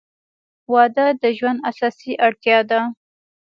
• واده د ژوند اساسي اړتیا ده.